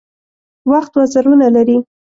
وخت وزرونه لري .